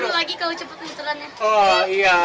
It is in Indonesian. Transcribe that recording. seru lagi kalau cepat linturannya